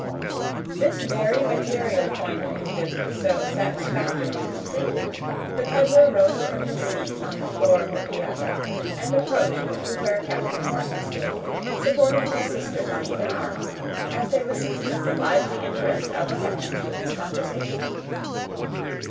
This very material point in his business so satisfactorily completed, the peddler rose from his seat on the floor of the piazza, and approached to where Captain Wharton stood, supporting his sisters on either arm, as they listened with the lively interest of affection to his conversation.